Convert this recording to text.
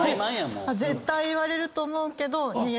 絶対言われると思うけど。